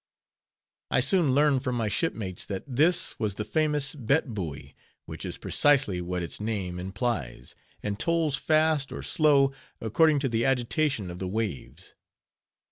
I soon learned from my shipmates, that this was the famous Bett Buoy, which is precisely what its name implies; and tolls fast or slow, according to the agitation of the waves.